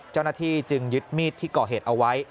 เจ้าหน้าที่จึงยึดมีดที่ก่อเหตุเอาไว้